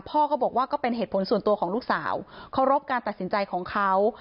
พ่อก็บอกว่าก็เป็นเหตุผลส่วนตัวของลูกสาวเคารพการตัดสินใจของเขา